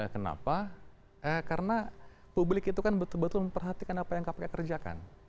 kenapa karena publik itu kan betul betul memperhatikan apa yang kpk kerjakan